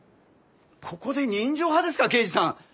ここで人情派ですか刑事さん。